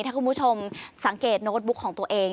ถ้าคุณผู้ชมสังเกตโน้ตบุ๊กของตัวเอง